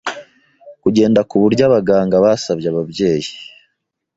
kugenda ku buryo abaganga basabye ababyeyi